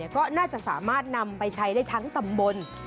ก็น่าจะสามารถนำไปใช้ได้ทั้งตำบล